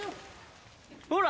ほら。